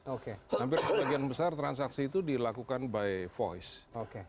hampir sebagian besar transaksi itu dilakukan by voice